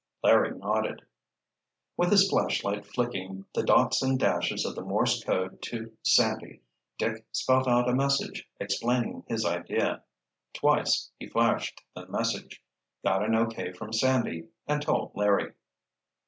Larry nodded. With his flashlight flicking the dots and dashes of the Morse code to Sandy, Dick spelt out a message explaining his idea. Twice he flashed the message, got an O. K. from Sandy, and told Larry.